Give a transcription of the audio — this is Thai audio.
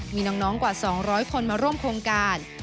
มีน้องกว่า๒๐๐คนมาร่วมโครงการ